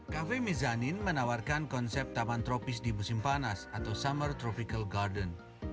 kafe mizanin menawarkan konsep taman tropis di musim panas atau summer tropical garden